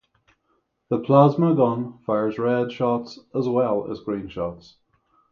The Plasma Gun fires red shots as well as green shots.